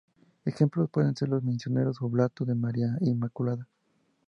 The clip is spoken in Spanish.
Ejemplos pueden ser los Misioneros Oblatos de María Inmaculada.